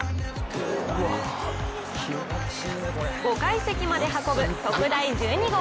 ５階席まで運ぶ特大１２号。